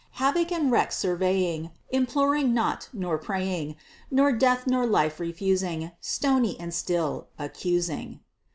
Havoc and wreck surveying, Imploring not, nor praying, Nor death nor life refusing; Stony and still accusing!